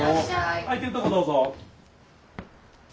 空いてるとこどうぞ。